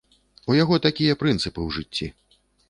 У яго такія прынцыпы ў жыцці.